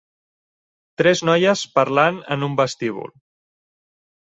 Tres noies parlant en un vestíbul.